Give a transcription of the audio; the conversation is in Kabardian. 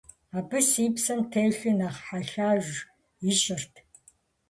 Абы си псэм телъыр нэхъ хьэлъэж ищӀырт.